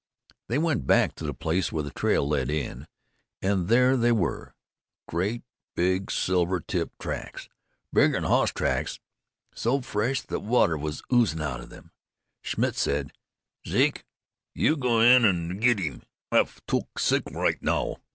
They went back to the place where the trail led in, an' there they were, great big silver tip tracks, bigger'n hoss tracks, so fresh thet water was oozin' out of 'em. Schmitt said: 'Zake, you go in und ged him. I hef took sick right now.'"